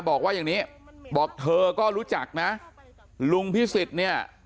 บอกเธอก็รู้จักนะลุงพิสิทธิ์เนี่ย